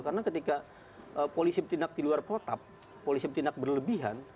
ketika polisi bertindak di luar protap polisi bertindak berlebihan